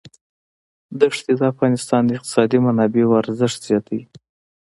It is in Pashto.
دښتې د افغانستان د اقتصادي منابعو ارزښت زیاتوي.